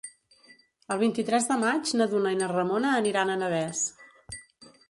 El vint-i-tres de maig na Duna i na Ramona aniran a Navès.